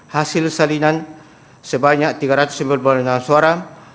hasil salinan sebanyak tiga ratus sembilan puluh lima suara